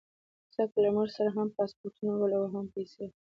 ځکه له موږ سره هم پاسپورټونه ول او هم پیسې.